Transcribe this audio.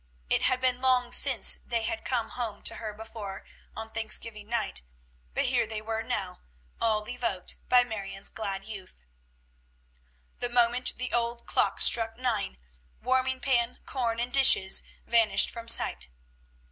It had been long years since they had come home to her before on Thanksgiving night, but here they were now, all evoked by Marion's glad youth. The moment the old clock struck nine, warming pan, corn, and dishes vanished from sight.